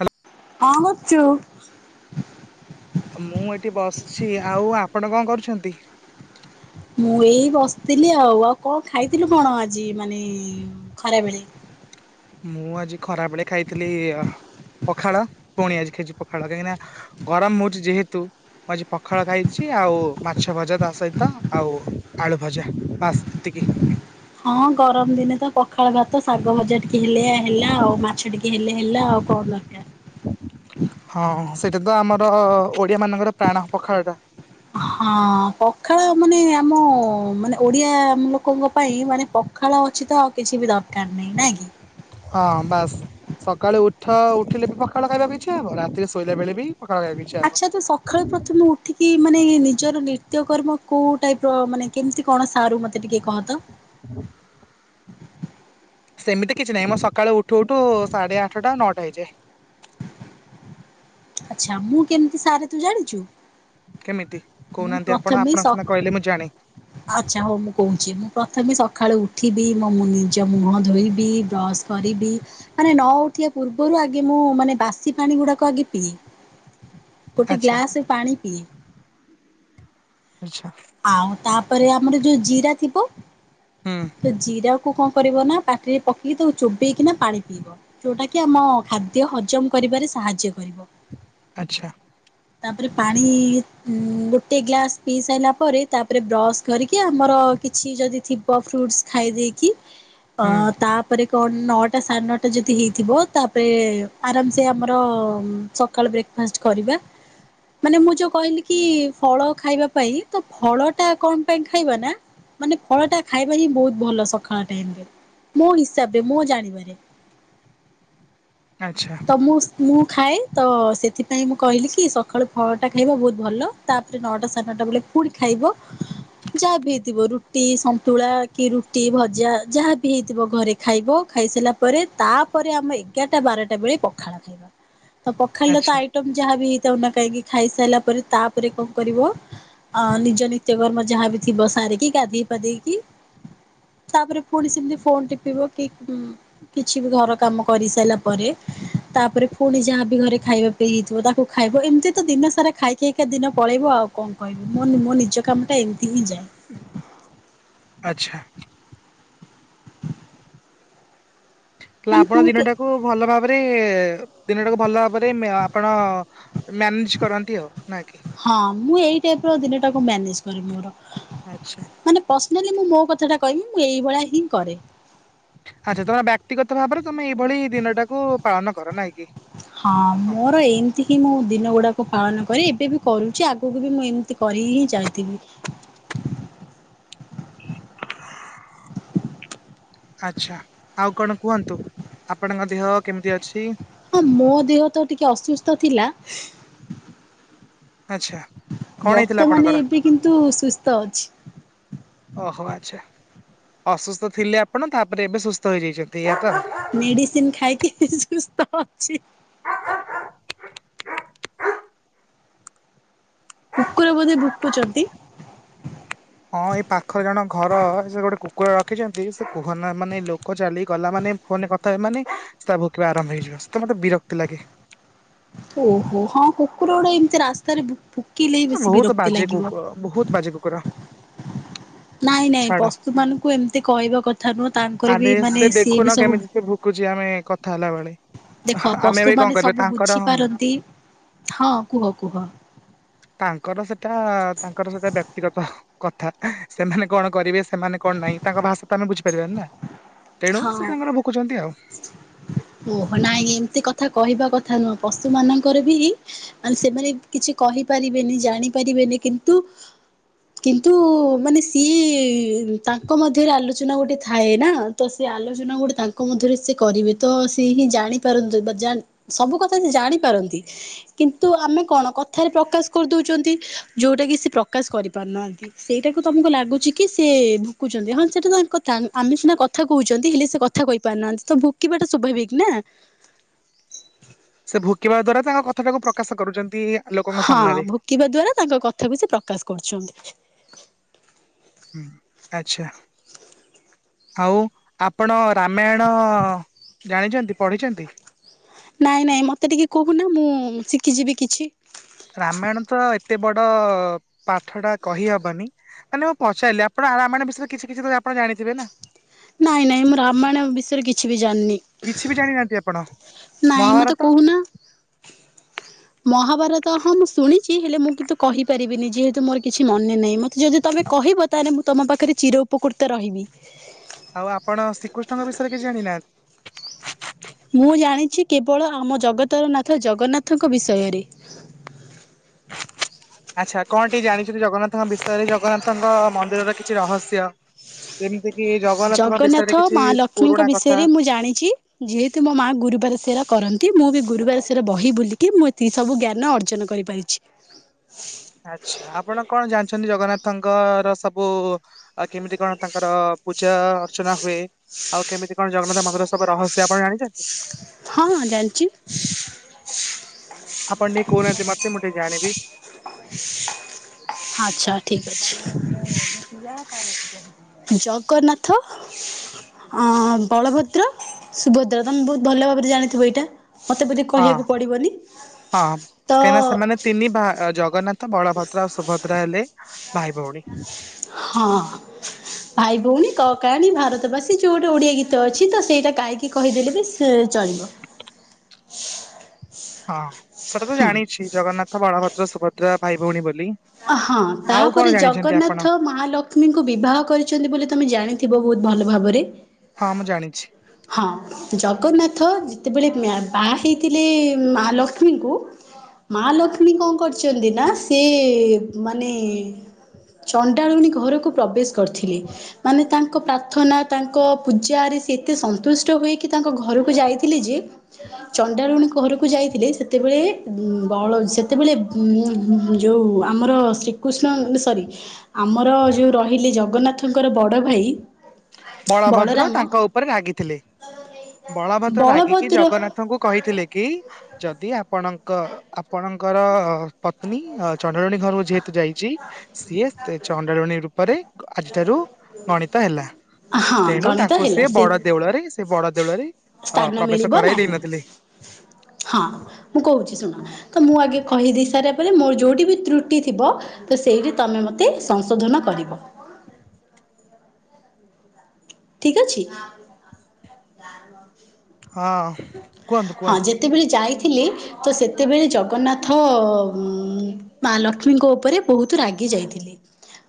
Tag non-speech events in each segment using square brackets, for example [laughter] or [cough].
ହା କଣ କରୁଚୁ? ମୁଁ ଏଠି ବସିଛି ଆଉ ଆପଣ କଣ କରୁଛନ୍ତି? ମୁଁ ଏଇ ବସିଥିଲି ଆଉ ଆଉ କଣ ଖାଇଥିଲୁ କଣ ଆଜି ମାନେ ଖରାବେଳେ? ମୁଁ ଆଜି ଖରା ବେଳେ ଖାଇଥିଲି ପଖାଳ ପୁଣି ଆଜି ଖାଇଚି ପଖାଳ କାହିଁକିନା ଗରମ ହଉଚି ଯେହେତୁ ମୁଁ ଆଜି ପଖାଳ ଖାଇଚି ଆଉ ମାଛ ଭଜା ତା ସହିତ ଆଉ ଆଳୁ ଭଜା ବାସ୍ ଏତିକି। ହଁ ଗରମ ଦିନେ ତ ପଖାଳ ଭାତ ଶାଗ ଭଜା ଟିକେ ହେଲେ ହେଲା ଆଉ ମାଛ ଟି କେ ହେଲେ ହେଲା ଆଉ କଣ ଦରକାର। ହଁ ସେଇଟା ତ ଆମର ଓଡିଆ ମାନଙ୍କର ପ୍ରାଣ ପଖାଳଟା। ହଁ ପଖାଳ ମାନେ ଆମ ମାନେ ଓଡିଆ ଲୋକଙ୍କ ପାଇଁ ମାନେ ପ ପଖାଳ ଅଛି ତ ଆଉ କିଛି ବି ଦରକାର ନାହିଁ ନାଇଁ କି? ହଁ ବାସ୍। ସକାଳୁ ଉଠ ଉଠିଲେ ବି ପଖାଳ ଖାଇବାକୁ ଇଚ୍ଛା ହବ ରାତିରେ ଶୋଇଲା ବେଳେ ବି ପଖାଳ ଖାଇବି। ଆଚ୍ଛା ତୁ ସଖାଳୁ ପ ଥମୁ ଉଠିକି ମାନେ ୟେ ନିଜର ନୃତ୍ୟକର୍ମ କଉ ଟାଇପ୍ ର ମାନେ କେମିତି କଣ ସାରୁ ମୋତେ ଟିକି କହ ତ? ସେମିତି କିଛି ନାହିଁ ମ ସକାଳୁ ଉଠୁ ଉଠୁ ସାଢ଼େ ଆଠଟା ନଅଟା ହେଇଯାଏ। ଆଚ୍ଛା ମୁଁ କେମିତି ସାରେ ତୁ ଜାଣିଚୁ? କେମିତି କୋଉନାହାନ୍ତି ଆପଣ ଆପଣ ସ ସିନା କହିଲେ ମୁଁ ଜାଣେ। କହୁଚି ମୁଁ ପ୍ରଥମେ ସଖାଳୁ ଉଠିବି ମୋ ମୁଁ ନିଜ ମୁହଁ ଧୋଇବି ବ୍ରଶ କରିବି ମାନେ ନ ଉଠିବା ପୂର୍ବରୁ ଆଗେ ମୁଁ ମାନେ ବାସି ପାଣି ଗୁଡାକ ଆଗେ ପିଏ ଗୋଟେ ଆଚ୍ଛା ଗ୍ଲାସ ପାଣି ପିଏ। ଆଚ୍ଛା। ଆଉ ତାପରେ ଆମର ଯୋଉ ଜିରା ଥିବ। ହୁଁ। ତ ଜିରାକୁୁ କଣ କରିବ ନା ପାଟିରେ ପକେଇକି ତାକୁ ଚୋବେଇକି ନା ପାଣି ପିଇବ। ଯୋଉଟା କି ଆମ ଖାଦ୍ୟ ହଜମ କରିବାରେ ସାହାଯ୍ୟ କରିବ। ଆଚ୍ଛା। ତାପରେ ପାଣି ଗୋଟେ ଗ୍ଲାସ ପିଇ ସାଇଲା ପରେ ତାପରେ ବ୍ରସ୍ କରିକି ଆମର କିଛି ଯଦି ଥିବ ଫ୍ରୁଟ୍ସୁ ଖାଇ ଦେଇକି ଅ ହୁଁ ତା ପରେ କଣ ନଅଟା ସାଢେ ନଅଟା ଯଦି ହେଇଥିବ ତାପରେ ଆରାମସେ ଆମର ସକାଳ ବ୍ରେକ୍ ଫାଷ୍ଟ କରିବା ମାନେ ମୁଁ ଯୋଉ କହିଲି କି ଫଳ ଖାଇବା ପାଇ ତ ଫଳ ଟା କଣ ପାଇଁ ଖାଇବା ନା ମାନେ ଫଳ ଟା ଖାଇବା ହିଁ ବହୁତ ଭଲ ସକାଳ ଟାଇମରେ। ମୋ ହିସାବରେ ମୁଁ ଜାଣିବାରେ। ଆଚ୍ଛା। ତ ମୁଁ- ମୁଁ ଖାଏ ତ ସେଥିପାଇଁ ମୁଁ କହିଲି କି ସକାଳୁ ଫଳଟା ଖାଇବା ବହୁତ୍ ଭଲ। ତାପରେ ନଅଟା ସାଢ଼େ ନଅଟା ବେଳେ ପୁଣି ଖାଇବ ଯାହା ବି ହେଇଥିବ ରୁଟି, ସନ୍ତୁଳା କି ରୁଟି, ଭଜା ଯାହା ବି ହେଇଥିବ ଘରେ ଖାଇବ ଖାଇସାରିଲା ପରେ ତାପରେ ଆମେ ଏଗାରଟା ବାରଟା ବେଳେ ପଖାଳ ଖାଇବା ତ ପଖାଳଟାତ ଆଚ୍ଛା ଆଇ ଟମ୍ ଯାହା ବି ହେଇଥାଉ ନା କାହିଁକି ଖାଇସାରିଲା ପରେ ତାପରେ କଣ କରିବ ଅ -ନିଜ ନିତ୍ୟକର୍ମ ଯାହାବି ଥିବ ସାରିକି ଗାଧେଇ ପାଧେଇକି ତାପରେ ପୁଣି ସେମିତି ଫୋନ୍ ଟିପିବ କି କିଛି ବି ଘର କାମ କରି ସାରିଲା ପରେ ତାପରେ ଫୁଣି ଯାହାବି ଘରେ ଖାଇବା ପାଇଁ ହେଇଥିବ ତାକୁ ଖାଇବ ଏମିତି ତ ଦିନ ସାରା ଖାଇ ଖାଇ କା ଦିନ ପଳେଇବ ଆଉ। କଣ କହିବି ମୋ ନ୍ ଆଚ୍ଛା। ତାହାଲେ ମାନେ ଆପଣ ତୁ କେ ଦିନଟାକୁ ଭଲ ଭାବରେ ଦିନଟାକୁ ଭଲ ଭାବରେ ଆପଣ ମ୍ୟାନେଜ୍ କରନ୍ତି ଆଉ ନା କି? ହଁ ମୁଁ ଏଇ ଟାଇପ୍ ର ଦିନଟାକୁ ମ୍ୟାନେଜ୍ କରେ ମୋର। ଆଚ୍ଛା। ମାନେ ପର୍ସନାଲି ମୁଁ ମୋ କଥାଟା କହିବି ମୁଁ ଏଇଭଳିଆ ହିଁ କରେ। ଆଚ୍ଛା ତମେ ବ୍ୟାକ୍ତିଗତ ଭାବରେ ତମେ ଏଇଭଳି ଦିନ ଟାକୁ ପାଳନ କର ନାଇଁ କି? ହଁ ମୋର ଏଇ ଏତିକି ମୁଁ ଦିନ ଗୁଡାକ ପାଳନ କରେ ଏବେ ବି କରୁଚି ଆଗକୁ ବି ମୁଁ ଏମିତି କରି ହିଁ ଚାଲିଥିବି। ଆଛା ଆଉ କଣ କୁହନ୍ତୁ ଆପଣଙ୍କ ଦେହ କେମିତି ଅଛି? ହଁ ମୋ ଦେହ ତ ଟିକେ ଅସୁସ୍ଥ ଥିଲା ଆଚ୍ଛା କଣ ହେଇଥିଲା ବର୍ତ୍ତମାନ ଆପଣଙ୍କର ଏବେ କିନ୍ତୁ ସୁସ୍ଥ ଅଛି। ଓହୋ ଆଚ୍ଛା। ଅସୁସ୍ଥ ଥିଲେ ଆପଣ ତାପରେ ଏବେ ସୁସ୍ଥ ହେଇଯାଇଚନ୍ତି ଏୟା ତ। ମେଡ଼ିସିନ୍ ଖାଇକି ସୁସ୍ଥ ଅଛି। କୁକୁର ବୋଧେ ଭୁକୁଚନ୍ତି। ହଁ ଏଇ ପାଖ ଜଣକ ଘର ସେ ଗୋଟେ କୁକୁର ରଖିଚନ୍ତି ସେ କୁହନା ମାନେ ଲୋକ ଚାଲିକି ଗଲା ମାନେ ଫୋନ୍ ରେ କଥା ହେବି ମାନେ ତା ଭୁକିବା ଆରମ୍ଭ ହେଇଯିବ ସେତ ମତେ ବିରକ୍ତି ଲାଗେ। ଓହୋ ହଁ କୁକୁର ଗୁଡା ଏମିତି ରାସ୍ତାରେ‌ ଭୁ-ଭୁ କିଲେ ହଁ ବେଶି ବହୁତ ବିରକ୍ତି ବାଜେ ଲାଗିବ। କୁକୁ ବହୁତ ବାଜେ କୁକୁର ନାଇଁ ନାଇଁ ଛାଡ ପଶୁ ମାନଙ୍କୁ ଏମିତି କହିବା କଥା ନୁହଁ ତାଙ୍କର ବି ମାନେ ସିଏ ବି ସବୁ ଭୁକୁଚି ଆମେ କଥା ହେଲା ବେଳେ। ଦେଖ ଆମେ ବି ପଶୁ କଣ ମାନେ କରିବା ସବୁ ତାଙ୍କର ବୁଝିପାରନ୍ତି- ହଁ କୁହ- କୁହ ତାଙ୍କର ସେଟା ତାଙ୍କର ସେଟା ବ୍ୟକ୍ତିଗତ। କଥା ସେମାନେ କଣ କରିବେ ସେମାନେ କଣ ନାହିଁ ତାଙ୍କ ଭାଷା ତ ଆମେ ବୁଝିପାରିବାନି ନା। ତେଣୁ ହଁ। ସେ ତାଙ୍କର ଭୁକୁଛନ୍ତି ଆଉ। ଓହୋ ନାଇଁ ଏମିତି କଥା କହିବା କଥା ନୁହଁ ପଶୁ ମାନଙ୍କର ବି ମାନେ ସେମାନେ କିଛି କହିପାରିବେନି ଜାଣି ପାରିବେନି କିନ୍ତୁ କିନ୍ତୁ ମାନେ ସିଏ ତାଙ୍କ ମଧ୍ୟରେ ଆଲୋଚନା ଗୋଟେ ଥାଏ ନା ତ ସେ ଆଲୋଚନା ଗୁଟେ ତାଙ୍କ ମଧ୍ୟରେ ସେ କରିବେ ତ ସେ ହିଁ ଜାଣିପାରନ୍ତି ବା ଜାଣ୍ ସବୁ କଥା ସେ ଜାଣି ପାରନ୍ତି। କିନ୍ତୁ ଆମେ କଣ କଥାରେ ପ୍ରକାଶ କରିଦଉଚନ୍ତି ଯଉଟା କି ସେ ପ୍ରକାଶ କରିପାରୁନାହାନ୍ତି। ସେଇଟାକୁ ତମକୁ ଲାଗୁଛି କି ସେ ଭୁକୁଛନ୍ତି ହଁ ସେଇଟା ତାଙ୍କ କଥା ଆମେ ସିନା କ କଥା କହୁଛନ୍ତି ହେଲେ ସେ କଥା କହି ପାରୁନାହାଁନ୍ତି ତ ଭୁକିବାଟା ସ୍ୱଭାବିକ ନା। ସେ ଭୁକିବା ଦ୍ଵାରା ତାଙ୍କ କଥାଟାକୁ ପ୍ରକାଶ କରୁଚନ୍ତି ଏଇଆ। ହଁ ଭୁକିବା ଦ୍ଵାରା ତାଙ୍କ କଥାକୁ ସେ ପ୍ରକାଶ କରୁଚନ୍ତି। ହୁଁ ଆଚ୍ଛା। ଆଉ ଆପଣ ରାମାୟଣ ଜାଣିଛନ୍ତି ପଢିଛନ୍ତି? ନାଇଁ ନାଇଁ ମୋତେ ଟିକେ କହୁନା ମୁଁ ଶିଖିଯିବି କିଛି। ରାମାୟଣ ତ ଏତେ ବଡ ପାଠ ଟା କହିହବନି। ମାନେ ମୁଁ ପଚାରିଲି ଆପଣ ରାମାୟଣ ବିଷୟରେ କିଛି କିଛି ତ ଆପଣ ଜାଣିଥିବେ ନା? ନାଇଁ ନାଇଁ ମୁଁ ରାମାୟଣ ବିଷୟରେ କିଛି ବି ଜାଣିନି। କିଛି ବି ଜାଣିନାହାନ୍ତି ଆପଣ ନାଇଁ ମତେ ମହାଭାରତ କହୁନା? ମହାଭାରତ ହଁ ମୁଁ ଶୁଣିଛି ହେଲେ ମୁଁ କିନ୍ତୁ କହିପାରିବିନି ଯେହେତୁ ମୋର କିଛି ମନେ ନାହିଁ ମ ତେ ଯଦି ତମେ କହିବ ତାହେଲେ ମୁଁ ତମ ପାଖରେ ଚିର ଉପକୃତ ରହିବି। ଆଉ ଆପଣ ଶ୍ରୀକୃଷ୍ଣଙ୍କ ବିଷୟରେ କିଛି ଜାଣି ନାହାଁନ୍ତି? ମୁଁ ଜାଣିଛି କେବଳ ଆମ ଜଗତର ନାଥ ଜଗନ୍ନାଥଙ୍କ ବିଷୟରେ। ଆଚ୍ଛା କଣ ଟିକେ ଜାଣିଛନ୍ତି ଜଗନ୍ନାଥଙ୍କ ବିଷୟରେ ଜଗନ୍ନାଥଙ୍କ ମନ୍ଦିରର କିଛି ରହସ୍ୟ। ସେମିତି କି ଜଗନ୍ନାଥ ମା ଲକ୍ଷ୍ମୀଙ୍କ କଥା ବିଷୟରେ ମୁଁ ଜାଣିଚି। ଯେହେତୁ ମୋ ମା ଗୁରୁବାର ସେରା କରନ୍ତି ମୁଁ ବି ଗୁରୁବାର ସେର ବହି ବୁଲିକି ମୁଁ ଏତିକି ସବୁ ଜ୍ଞାନ ଅର୍ଜନ କରିପାରିଛି। ଆଚ୍ଛା ଆପଣ କଣ ଜାଣିଛନ୍ତି ଜଗନ୍ନାଥଙ୍କର ସବୁ ଆଉ କେମିତି କଣ ତାଙ୍କର ପୂଜା ଅର୍ଚ୍ଚନା ହୁଏ ଆଉ କେମିତି କଣ ଜଗନ୍ନାଥ ମନ୍ଦିର ସବୁ ରହସ୍ୟ ଆପଣ ଜାଣିଛନ୍ତି? ହଁ ଜାଣିଚି। ଆପଣ ଟିକେ କହୁନାହାନ୍ତି ମତେ ମୁଁ ଟିକେ ଜାଣିବି। [inaudible] ଆଚ୍ଛା ଠିକ ଅଛି। ଜଗନ୍ନାଥ ଅ ବଳଭଦ୍ର, ସୁଭଦ୍ରା ତମେ ବହୁତ ଭଲ ଭାବରେ ଜାଣିଥିବ ଏଇଟା? ମୋତେ ବୋଧେ ହଁ କହିବାକୁ ପଡ଼ିବନି ହଁ। ତ କାହିଁକିନା ସେମାନେ ତିନି ଭା ଜଗନ୍ନାଥ, ବଳଭଦ୍ରା ଆଉ ସୁଭଦ୍ରା ହେଲେ ଭାଇ ଭଉଣୀ। ହଁ। ଭାଇ ଭଉଣୀ କ କାହାଣୀ ଭାରତବାସୀ ଯୋଉ ଗୋଟେ ଓଡିଆ ଗୀତ ଅଛି ତ ସେଇଟା ଗାଇକି କହିଦେଲେ ବି ସେ ଚଳିବ। ହଁ ସେଟା ତ ହୁଁ ଜାଣିଛି ଜଗନ୍ନାଥ, ବଳଭଦ୍ର, ସୁଭଦ୍ରା ଭାଇ ଭଉଣୀ ବୋଲି। ହଁ ଆଉ କଣ ତାପରେ ଜାଣିଛନ୍ତି ଆପଣ? ଜଗନ୍ନାଥ ମାଲ ଲକ୍ଷ୍ମୀଙ୍କୁ ବିବାହ କରିଛନ୍ତି ବୋଲି ତମେ ଜାଣିଥିବ ବହୁତ ଭଲ ଭାବରେ? ହଁ ମୁଁ ଜାଣିଛି। ହଁ ଜଗନ୍ନାଥ ଯେତେବେଳେ ମ୍ୟା ବାହା ହେଇଥିଲେ ମା ଲକ୍ଷ୍ମୀଙ୍କୁ ମା ଲକ୍ଷ୍ମୀ କଣ କରିଛନ୍ତିନା ସେ ମାନେ ଚଣ୍ଡାଳୁଣୀ ଘରକୁ ପ୍ରବେଶ କରିଥିଲେ। ମାନେ ତାଙ୍କ ପ୍ରାର୍ଥନା ତାଙ୍କ ପୂଜାରେ ସେ ଏତେ ସନ୍ତୁଷ୍ଟ ହୋଇକି ତାଙ୍କ ଘରକୁ ଯାଇଥିଲେଯେ ଚଣ୍ଡାଲୁଣୀ ଘରକୁ ଯାଇଥିଲେ ସେତେବେଳେ ଉଁ ବଳ ସେତେବେଳେ ଉଁ ହୁଁ ଯୋଉ ଆମର ଶ୍ରୀକୃଷ୍ଣ ସରି ଆମର ଯୋଉ ରହିଲେ ଜଗନ୍ନାଥଙ୍କର ବଡଭାଇ ବଳରାମ ପରେ ମାଗିଥିଲେ, ବାବା ମତେ ମାଗିକି ବଳଭଦ୍ର ଜଗନ୍ନାଥ ତାଙ୍କୁ କହିଥିଲେକି, ଯଦି ଆପଣଙ୍କ ଆପଣଙ୍କର ପତ୍ନୀ, ଆଉ ଚଣ୍ଡାଲୁଣୀ ଘରକୁ ଯେହେତୁ ଯାଇଚି ସିଏ ଚଣ୍ଡାଳୁଣୀ ରୂପରେ, ଆଜିଠାରୁ ଗଣିତ ହେଲା, ହଁ ତେଣୁ ଗଣିତ ତାଙ୍କୁ ହେଲା ସେ ବଡଦେଉଳରେ, ସେ ବଡ ଦେଉଳରେ ହଁ, ସ୍ଥାନ ପ୍ରବେଶ ମିଳିବ କରାଇ ନାହିଁ। ଦେଇନଥିଲେ। ହଁ, ମୁଁ କହୁଚି ଶୁଣ ତ, ମୁଁ ଆଗେ କହିଦେଇ ସାରିଲା ପରେ, ମୋର ଯୋଉଠିବି ତ୍ରୁଟି ଥିବ ତ ସେଇଠି ତମେ ମତେ, ସଂଶୋଧନ କରିବ। ଠିକ ଅଛି? ହଁ, କୁହନ୍ତୁ ହଁ କୁହନ୍ତୁ ଯେତେବେଳେ ଯାଇଥିଲି, ତ ସେତେବେଳେ ଜଗନ୍ନାଥ ଅ ଉଁ ଉ ମା ଲକ୍ଷ୍ମୀଙ୍କ ଉପରେ ବହୁତ ରାଗି ଯାଇଥିଲେ।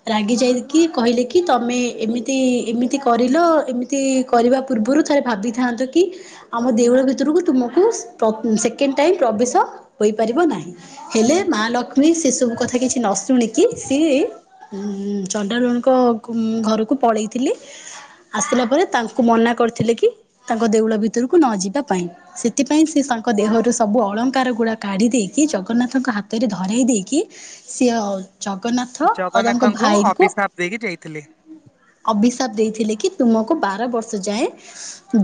ରାଗି ଯାଇକି କହିଲେକି, ତମେ ଏମିତି, ଏମିତି କରିଲ, ଏମିତି କରିବା ପୂର୍ବରୁ ଥରେ ଭାବିଥାନ୍ତକି? ଆମ ଦେଉଳ ଭିତରକୁ ତୁମକୁ, ସେକେଣ୍ଡ ଟାଇମ ପ୍ରବେଶ ହୋଇପାରିବ ନାହିଁ। ହେଲେ ମା ଲକ୍ଷ୍ମୀ ସେ ସବୁକଥା କିଛି ନଶୁଣିକି, ସିଏ ଉଁ, ଚଣ୍ଡାଲୁଣୀଙ୍କ ଘରକୁ ପଳେଇଥିଲେ ଆସିଲା ପରେ, ତାଙ୍କୁ ମନା କରିଥିଲେକି, ତାଙ୍କ ଦେଉଳ ଭିତରକୁ ନଯିବାପାଇଁ। ସେଥିପାଇଁ ସେ ତାଙ୍କ ଦେହରୁ ସବୁ ଅଳଙ୍କାର ଗୁଡା କାଢି ଦେଇକି, ଜଗନ୍ନାଥଙ୍କ ହାତରେ ଧରେଇ ଦେଇକି ସିଏ ଜଗନ୍ନାଥ, ଆଉ ତାଙ୍କ ଜଗନ୍ନାଥଙ୍କୁ ଭାଇଙ୍କୁ, ଅଭିଶାପ ଦେଇକି ଯାଇଥିଲେ ଅବି ଅଭିଶାପ ଦେଇଥିଲେ କି, ତୁମକୁ ବାରବର୍ଷ ଯାଏଁ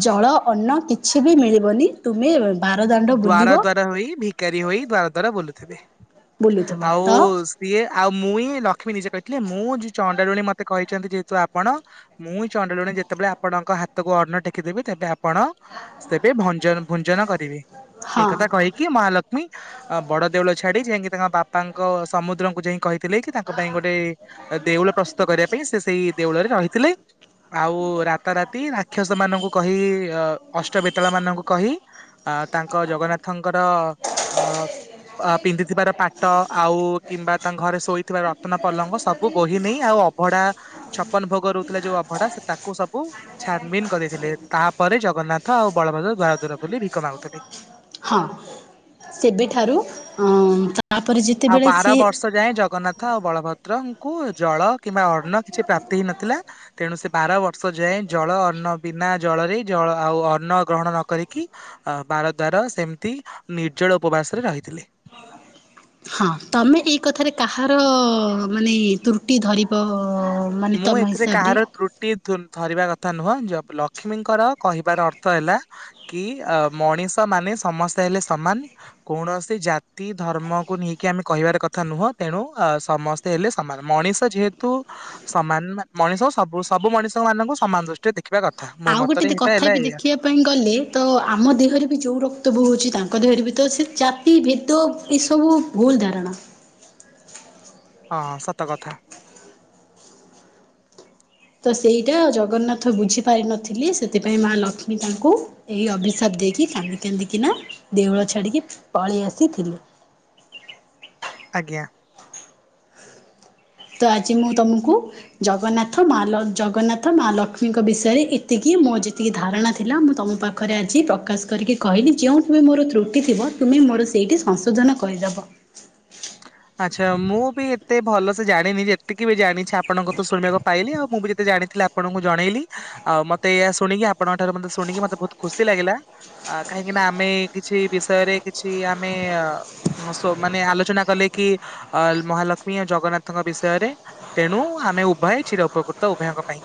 ଜଳ ଅନ୍ନ କିଛିବି ମିଳିବନି, ତୁମେ ବାରଦାଣ୍ଡ ବୁଲିବ [unintelligible] ଭିକାରିହୋଇ ବାର ଦୁଆର ବୁଲୁଥିବେ, ବୁଲୁଥିବ ତ ଆଉ ସିଏ ଆଉ ମୁଇଁ ଲ ଲକ୍ଷ୍ମୀ ନିଜେ କହିଥିଲେ, ମୁଁ ଯି ଚଣ୍ଡାଳୁଣୀ ମତେ କହିଚନ୍ତି, ଯେହେତୁ ଆପଣ ମୁଁ ଚଣ୍ଡାଲୁଣୀ ଯେତେବେଳେ ଆପଣଙ୍କ ହାତକୁ ଅନ୍ନ ଟେକିଦେବି, ତେବେ ଆ ଆପଣ, ସେବେ ଭଞ୍ଜନ ଭୁଞ୍ଜନ କରିବେ। ହଁ ଏଇକଥା କହିକି, ମହାଲକ୍ଷ୍ମୀ ବଡଦେଉଳ ଛାଡି ଯାଇକି ତାଙ୍କ ବାପାଙ୍କ ସମୁଦ୍ରଙ୍କୁ ଯାଇ କହି ଥିଲେ କି, ତାଙ୍କ ପାଇଁ ଗୋଟେ ଦେଉଳ ପ୍ରସ୍ତୁତ କରିବା ପାଇଁ, ସେ ସେଇ ଦେଉଳରେ ରହିଥିଲେ। ଆଉ ରାତାରାତି ରାକ୍ଷସ ମାନଙ୍କୁ କହି, ଅଷ୍ଟବେତାଳ ମାନଙ୍କୁ କହି ଅ ତାଙ୍କ, ଜଗନ୍ନାଥଙ୍କର ଅ ଅ ପିନ୍ଧିଥିବାର ପାଟ, ଆଉ କିମ୍ବା ତାଙ୍କ ଘରେ ଶୋଇଥିବାର ରତ୍ନ ପଲଙ୍କ ସବୁ ବୋହି ନେଇ, ଆଉ ଅଭଢା, ଛପନ ଭୋଗ ରହୁଥିଲା ଯୋଉ ଅଭଢା, ସେ ତାକୁସବୁ ଛାନବିନ କରିଦେଇଥିଲେ, ତାପରେ ଜଗନ୍ନାଥ ଆଉ ବଳଭଦ୍ର ଦ୍ୱାରଦୁର ବୁଲି ଭିକ ମାଗୁଥିଲେ। ହଁ, ସେବେଠାରୁ ତାପରେ ଯେ ଆଉ ବାରବର୍ଷ ଯାଏଁ, ଜଗନ୍ନାଥ ଆଉ ବଳଭଦ୍ରଙ୍କୁ ଜଳ କିମ୍ବା ଅନ୍ନ କିଛି ପ୍ରାପ୍ତି ହେଇନଥିଲା, ତେଣୁ ସେ ବାରବର୍ଷ ଯାଏଁ, ଜଳ ଅନ୍ନ ବିନା ଜଳରେ ଜଳ ଆଉ ଅନ୍ନ ଗ୍ରହଣ ନକରିକି ଆଉ ବାରଦ୍ୱାର ସେମିତି ନିର୍ଜଳ ଉପବାସରେ ରହିଥିଲେ। ହଁ, ତମେ ଏଇ କଥାରେ କାହାର ମାନେ ତ୍ରୁଟି ଧରିବ ଅ ମୁଁ ଏଥିରେ କାହାର ତ୍ରୁଟି ଟି ଧୁଁ ଧରିବା କଥା ନୁହଁ, ଜ ଲକ୍ଷ୍ମୀଙ୍କର କହିବାର ଅର୍ଥ ହେଲା କି, ଅ ମଣିଷ ମାନେ ସମସ୍ତେ ହେଲେ ସମାନ କୌଣସି ଜାତି ଧର୍ମକୁ ନେଇକି ଆମେ କହିବାର କଥା ନୁହଁ ତେଣୁ ସମ ତେ ହେଲେ ସମାନ ମଣିଷ ଯେହେତୁ ସମାନାନ ମଣିଷ କୁ ସବୁ ସବୁ ମଣିଷ ମାନଙ୍କୁ ସମାନ ଦୃଷ୍ଟିରେ ଦେଖିବା କଥା, ମୋ ଆଉ ଗୋଟେ ମତରେ ଦେ ଏଇଟା କଥା ହେଲା ବି ଏଇଆ ଦେଖିବା ପାଇଁ ଗଲେ ତ ଆମ ଦେହରେ ବି ଯୋଉ ରକ୍ତ ବୋହୁଛି ତାଙ୍କ ଦେହରେ ବି ତ ସେ ଚା ତି ଭେଦ ଏସବୁ ଭୁଲ ଧାରଣା। ହଁ ସତ କଥା। ତ ସେଇଟା ଜଗନ୍ନାଥ ବୁଝିପାରିନଥିଲି ସେଥିପାଇଁ ମା ଲକ୍ଷ୍ମୀ ତାଙ୍କୁ ଏହି ଅଭିଶାପ ଦେଇକି କାନ୍ଦି କାନ୍ଦିିକିନା ଦେଉଳ ଛାଡିକି ପଳେଇ ଆସିଥିଲେ। ଆଜ୍ଞା। ତ ଆଜି ମୁଁ ତୁମକୁ ଜଗନ୍ନାଥ ମାଲ ଜଗନ୍ନାଥ ମା ଲକ୍ଷ୍ମୀଙ୍କ ବିଷୟରେ ଏତିକି ମୋ ଯେତିକି ଧାରଣା ଥିଲା ମୁଁ ତମ ପା ଖରେ ଆଜି ପ୍ରକାଶ କରିକି କହିଲି ଯେଉଁଠୁ ବି ମୋର ତ୍ରୁଟି ଥିବ ତୁମେ ମୋର ସେଇଠି ସଂଶୋଧନ କରିଦେବ। ଆଚ୍ଛା ମୁଁ ବି ଏତେ ଭଲ ସେ ଜାଣିନି ଯେତିକି ବି ଜାଣିଚି ଆପଣଙ୍କ ତ ଶୁଣିବାକୁ ପାଇଲି ଆଉ ମୁଁ ବି ଯେତେ ଜାଣିଥିଲ ଆପଣଙ୍କୁ ଜଣେଇଲି ଆଉ ମତେ ଏୟା ଶୁଣିକି ଆପଣଙ୍କ ଠାରୁ ମତେ ଶୁଣିକି ମତେ ବହୁତ ଖୁସି ଲାଗିଲା। ଅ କାହିଁକି ନା ଆମେ କିଛି ବିଷୟରେ କିଛି ଆମେ ଅ ସୋ ମାନେ ଆଲୋଚନା କଲେ କି ଅ ମହାଲକ୍ଷ୍ମୀ ଆ ଜଗନ୍ନାଥଙ୍କ ବିଷୟରେ ତେଣୁ ଆମେ ଉଭୟ ଛିଡ ଉପକୃତ ଉଭୟଙ୍କ ପାଇଁ।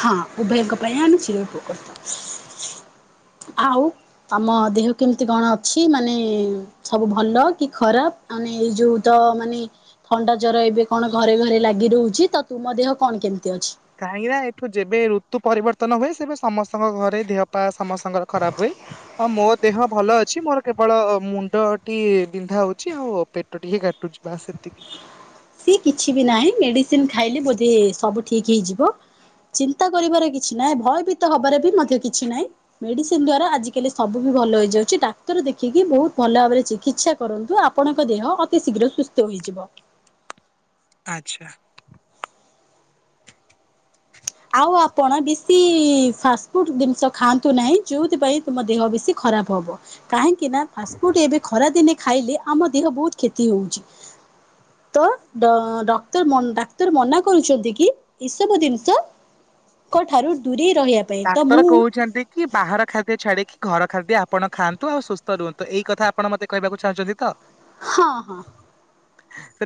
ହଁ ଉଭୟଙ୍କ ପାଇଁ ଚିରଉପକୃତ, ଆଉ ଆମ ଦେହ କେମିତ କଣ ଅଛି ମାନେ ସବୁ ଭଲ କି ଖରାପ? ମାନେ ଏଇ ଯୋଉ ତ ମାନେ ଥଣ୍ଡା ଜର ଏବେ କଣ ଘରେ ଘରେ ଲାଗି ରହୁଛି ତ ତୁମ ଦେହ କଣ କେମିତି ଅଛି? କାହିଁକି ନା ଏଠୁ ଯେବେ ଋତୁ ପରିବର୍ତ୍ତନ ହୁଏ ସେବେ ସମସ୍ତଙ୍କ ଘରେ ଦେହପା ସମସ୍ତଙ୍କର ଖରାପ ହୁଏ। ହଁ ମୋ ଦେହ ଭଲ ଅଛି ମୋର କେବଳ ମୁଣ୍ଡଟି ବିନ୍ଧା ହଉଛି ଆଉ। ପେଟ ଟିକେ କାଟୁଚି ବାସ୍ ସେତିକି। ସିଏ କିଛି ବି ନାହିଁ ମେଡିସିନ ଖାଇଲେ ବୋଧେ ସବୁ ଠିକ ହେଇଯିବ। ଚିନ୍ତା କରିବାର କିଛି ନାହିଁ ଭୟଭୀତ ହବାରେ ବି ମଧ୍ୟ କିଛି ନାହିଁ। ମେଡିସିନ ଦ୍ଵାରା ଆଜିକାଲି ସବୁ ବି ଭଲ ହେଇଯାଉଛି ଡାକ୍ତର ଦେଖିକି ବହୁତ ଭଲ ଭାବରେ ଚିକିତ୍ସା କରନ୍ତୁ, ଆ ଆପଣଙ୍କ ଦେହ ଅତି ଶୀଘ୍ର ସୁସ୍ଥ ହୋଇଯିବ। ଆଚ୍ଛା। ଆଉ ଆପଣ ବେଶି ଫାଷ୍ଟଫୁଡ଼ ଜିନିଷ ଖାଆନ୍ତୁ ନାହିଁ ଯେଉଥିପାଇଁ ତୁମ ଦେହ ବେଶୀ ଖରାପ ହବ। କାହିଁକି ନା ଫାଷ୍ଟଫୁଡ ଏବେ ଖରା ଦିନେ ଖାଇଲେ ଆମ ଦେହ ବହୁତ କ୍ଷତି ହଉଛି। ତ ଦ ଡକ୍ତର ଡାକ୍ତର ମନା କରୁଛନ୍ତି କି ଏଇସବୁ ଜିନିଷ କ ଠାରୁ ଦୂରେଇ ରହିବା। ପାଇଁ ତ ଡାକ୍ତର ମୁଁ କହୁଛନ୍ତି କି ବାହାର ଖାଦ୍ୟ ଛାଡିକି ଘର ଖାଦ୍ୟ ଆପଣ ଖାଆନ୍ତୁ ଆଉ ସୁସ୍ଥ ରୁହନ୍ତୁ ଏଇ କଥା ଆପଣ ମତେ କହିବାକୁ ଚାହୁଁଛନ୍ତି ତ? ହଁ ହଁ। [unintelligible]